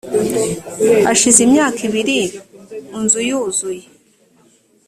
hashize imyaka ibiri unzu yuzuye